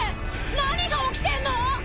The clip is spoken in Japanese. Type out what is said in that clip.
何が起きてんの！？